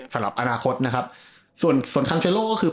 สำหรับอนาคตนะครับส่วนส่วนคัมเจโลก็คือ